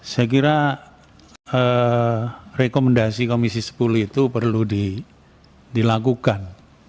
saya kira rekomendasi komisi sepuluh itu perlu dilakukan